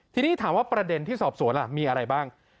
ทีนี้ถามว่าประเด็นที่สอบสวนล่ะมีอะไรบ้าง